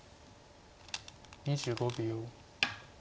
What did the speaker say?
２５秒。